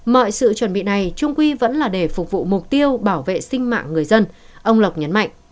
mọi sự chuẩn bị này trung quy vẫn là để phục vụ mục tiêu bảo vệ sinh mạng người dân ông lộc nhấn mạnh